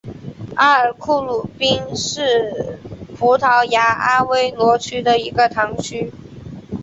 阿尔克鲁宾是葡萄牙阿威罗区的一个堂区。